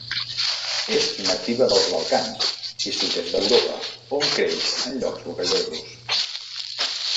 És nativa dels Balcans i sud-est d'Europa on creix en llocs rocallosos.